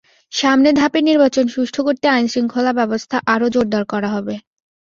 সামনের ধাপের নির্বাচন সুষ্ঠু করতে আইনশৃঙ্খলা ব্যবস্থা আরও জোরদার করা হবে।